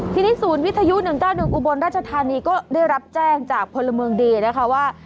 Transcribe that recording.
ทีนี้ศูนย์วิทยุ๑๙๑อุบลราชธานีก็ได้รับแจ้งจากพลเมืองดีนะคะว่า